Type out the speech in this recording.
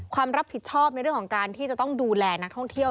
ความรับผิดชอบในเรื่องของการที่จะต้องดูแลนักท่องเที่ยว